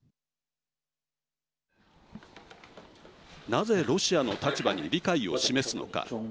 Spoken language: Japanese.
なぜロシアの立場に理解を示すのか。